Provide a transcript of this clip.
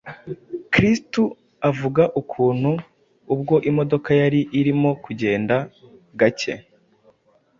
Kizito avuga ukuntu ubwo imodoka yari irimo kugenda gacye,